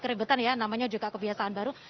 keributan ya namanya juga kebiasaan baru